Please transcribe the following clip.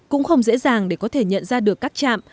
cũng không dễ dàng để có thể nhận ra được các trạm